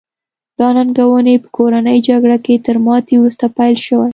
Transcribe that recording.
دا ننګونې په کورنۍ جګړه کې تر ماتې وروسته پیل شوې.